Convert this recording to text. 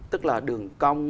tức là đường cong